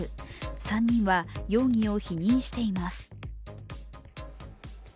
３人は容疑を否認しています。